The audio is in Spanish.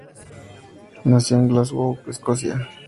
Nació en Glasgow, Escocia.